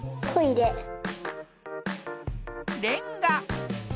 レンガ。